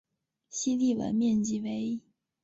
西帝汶面积为。